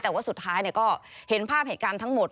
แต่ว่าสุดท้ายก็เห็นภาพเหตุการณ์ทั้งหมด